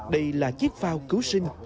đây là chiếc phao cứu sinh